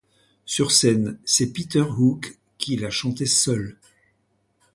Sur scène, c'est Peter Hook qui la chantait seul.